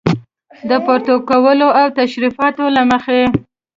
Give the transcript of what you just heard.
د پروتوکول او تشریفاتو له مخې.